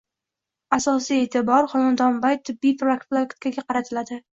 asosiy e’tibor xonadonbay tibbiy profilaktikaga qaratiladi